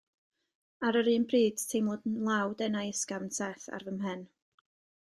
Ar yr un pryd teimlwn law denau ysgafn Seth ar fy mhen.